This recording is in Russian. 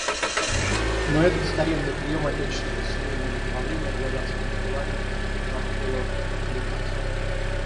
Но этот старинный прием отеческого семейного управления дворянскими делами надо было поколебать.